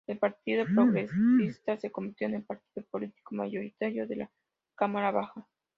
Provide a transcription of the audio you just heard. El Partido Progresista se convirtió en el partido político mayoritario de la Cámara Baja.